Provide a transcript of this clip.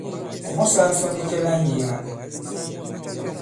Ɔ̀ mɔsāā sɔ ndi cɛ la ŋ̀yēē la?